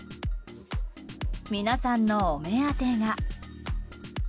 皆さんのお目当てが。